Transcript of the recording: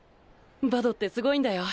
バドってすごいんだよ。